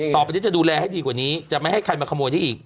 ต่อไปนี้จะดูแลให้ดีกว่านี้จะไม่ให้ใครมาขโมยได้อีก